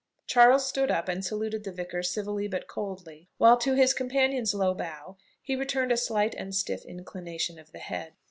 Charles stood up, and saluted the vicar civilly but coldly; while to his companion's low bow he returned a slight and stiff inclination of the head.